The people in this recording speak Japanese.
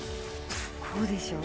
こうでしょ？